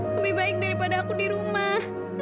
lebih baik daripada aku di rumah